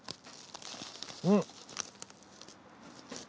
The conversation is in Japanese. うん。